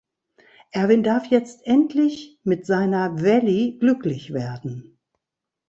Erwin darf jetzt endlich mit seiner Vally glücklich werden.